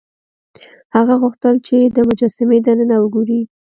هغه غوښتل چې د مجسمې دننه وګوري.